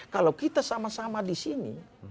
kalau kita sama sama di sini